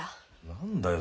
何だよ